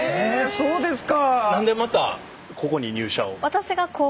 そうですね。